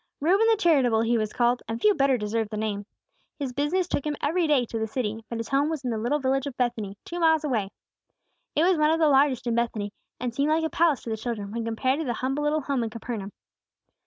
"Reuben the Charitable," he was called, and few better deserved the name. His business took him every day to the city; but his home was in the little village of Bethany, two miles away. It was one of the largest in Bethany, and seemed like a palace to the children, when compared to the humble little home in Capernaum.